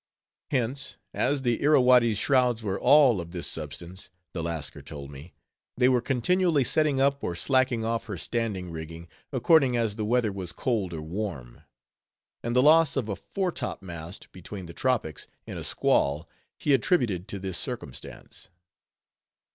Hence, as the Irrawaddy's shrouds were all of this substance, the Lascar told me, they were continually setting up or slacking off her standing rigging, according as the weather was cold or warm. And the loss of a foretopmast, between the tropics, in a squall, he attributed to this circumstance.